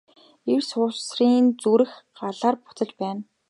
Эр суусрын зүрх Галаар буцалж байна.